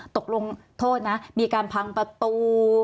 ตกลงโทษนะมีการพังประตู